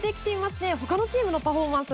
ほかのチームのパフォーマンス